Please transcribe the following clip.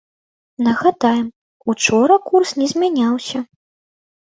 Нагадаем, учора курс не змяняўся.